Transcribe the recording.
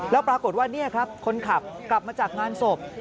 แล้วปรากฏว่านี่ครับคนขับกลับมาจากงานศพ